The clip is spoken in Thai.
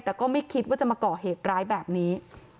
แต่ก็ไม่คิดว่าจะมาก่อเหตุร้ายแบบนี้